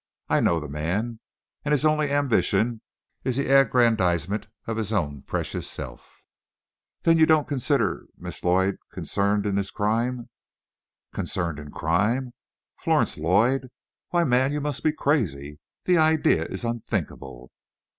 I know the man, and his only ambition is the aggrandizement of his own precious self." "Then you don't consider Miss Lloyd concerned in this crime?" "Concerned in crime? Florence Lloyd! why, man, you must be crazy! The idea is unthinkable!"